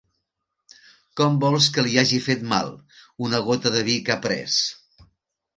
Com vols que li hagi fet mal, una gota de vi que ha pres?